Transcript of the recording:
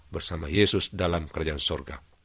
bersama yesus dalam kerjaan sorga